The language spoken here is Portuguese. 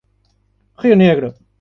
Rio Negro